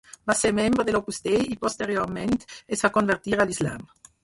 Va ser membre de l'Opus Dei i posteriorment es va convertir a l'islam.